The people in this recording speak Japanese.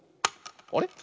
あれ？